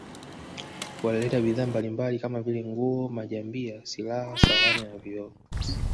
Walileta bidhaa mbalimbali kama vile nguo majambia silaha sahani na vioo